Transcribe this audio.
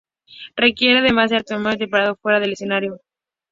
Requiere además un armonio interpretado fuera del escenario.